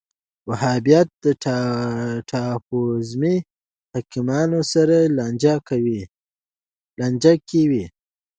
وهابیت ټاپووزمې حاکمانو سره لانجه کې و